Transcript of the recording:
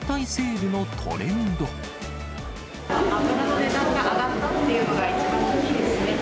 油の値段が上がったっていうのが一番大きいですね。